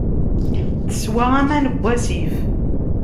Teswa aman n wasif.